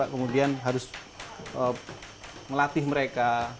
kemudian harus melatih mereka